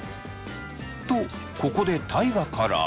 とここで大我から。